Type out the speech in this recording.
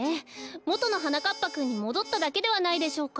もとのはなかっぱくんにもどっただけではないでしょうか。